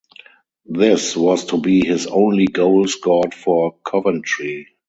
This was to be his only goal scored for Coventry.